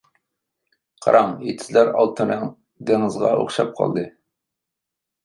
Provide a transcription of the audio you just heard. قاراڭ، ئېتىزلار ئالتۇن رەڭ دېڭىزغا ئوخشاپ قالدى.